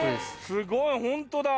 すごいホントだ。